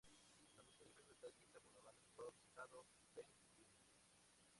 La música del juego está escrita por la banda de rock pesado, Green Jelly.